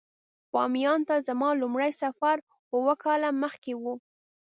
بامیان ته زما لومړی سفر اووه کاله مخکې و.